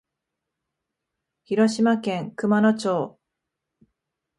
広島県熊野町